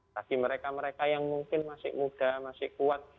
bagi mereka mereka yang mungkin masih muda masih kuat